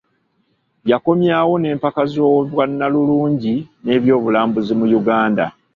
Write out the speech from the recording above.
Yakomyawo n'empaka z'obwannalulungi n'ebyobulambuzi mu Uganda